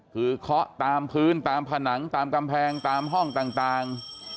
คือเคาะตามพื้นตามผนังตามกำแพงตามห้องต่าง